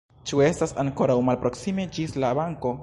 Ĉu estas ankoraŭ malproksime ĝis la banko?